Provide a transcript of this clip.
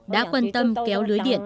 đã quan tâm kéo lưới điện